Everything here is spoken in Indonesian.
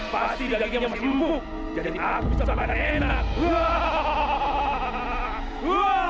pasti dagingnya masih empuk jadi aku sangat enak